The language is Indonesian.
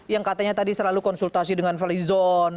yang katanya tadi selalu konsultasi dengan falizon